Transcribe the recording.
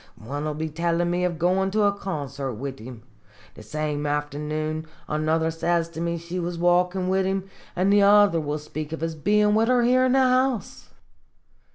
One will be tellin' me of goin' to a concert wid him. The same afternoon another says to me she was walkin' wid him, an' the other will speak of his bein' wid her here in the house